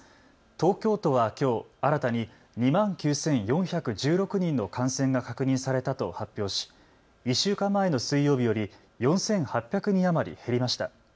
東京都はきょう新たに２万９４１６人の感染が確認されたと発表し１週間前の水曜日より４８００人余り減りました。